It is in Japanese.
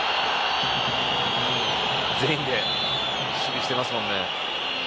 全員で守備してますもんね。